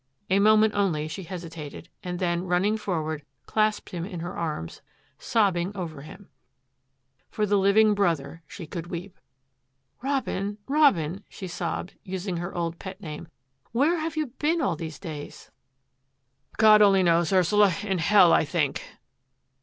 A moment only she hesitated, and then, running forward, clasped him in her arms, sobbing over him. For the Uv ing brother she could weep. " Robin, Robin," she sobbed, using her old pet name, " where have you been all these days ?" 116 THAT AFFAIR AT THE MANOR " God only knows, Ursula! In Hell, I think